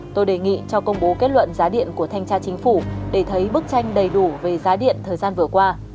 tôi đề nghị cho công bố kết luận giá điện của thanh tra chính phủ để thấy bức tranh đầy đủ về giá điện thời gian vừa qua